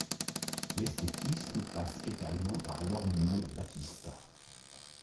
L'esthétisme passe également par l'ornement de Battista.